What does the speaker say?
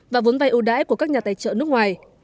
và vốn vay ưu đãi của các nhà tài trợ nước ngoài